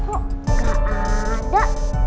oh nggak ada